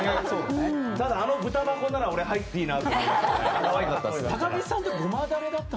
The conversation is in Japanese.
ただ、あの豚箱なら俺入っていいなと思った。